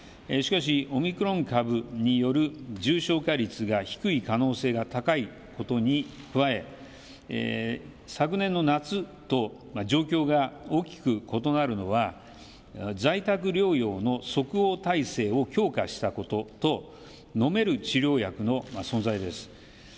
しかしオミクロン株による重症化率が低い可能性が高いことに加え昨年の夏と状況が大きく異なるのは在宅療養の即応体制を強化したことと飲める治療薬の存在です。